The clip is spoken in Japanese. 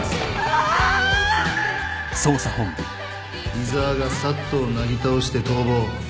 井沢がＳＡＴをなぎ倒して逃亡。